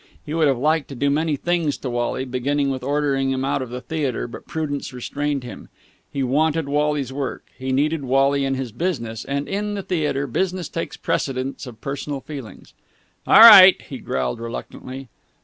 He would have liked to do many things to Wally, beginning with ordering him out of the theatre, but prudence restrained him. He wanted Wally's work. He needed Wally in his business: and, in the theatre, business takes precedence of personal feelings. "All right!" he growled reluctantly.